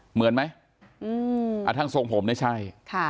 เหมือนไหมอาทางทรงผมได้ใช่